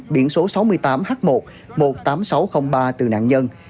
biển số sáu mươi tám h một một mươi tám nghìn sáu trăm linh ba từ nạn nhân